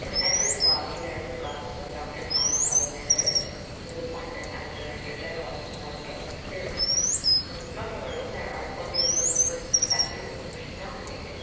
In the entrance lobby there is a bust of Dr. Thomas Alexander, whose appointment as Director General Miss Nightingale procured. In the smoking room there are portraits of the first professors whom she nominated.